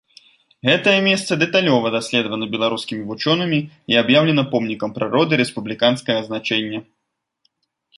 Гэтае месца дэталёва даследавана беларускімі вучонымі і аб'яўлена помнікам прыроды рэспубліканскага значэння.